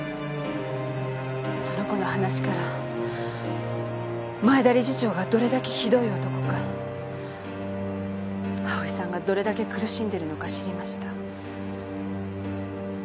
その子の話から前田理事長がどれだけひどい男か葵さんがどれだけ苦しんでるのか知りました。